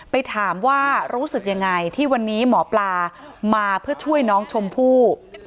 ไปถามว่ารู้สึกยังไงที่วันนี้หมอปลามาเพื่อช่วยน้องชมพู่